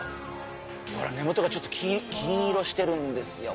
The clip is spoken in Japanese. ほら根元がちょっと金色してるんですよ